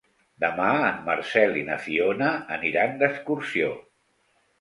Demà en Marcel i na Fiona aniran d'excursió.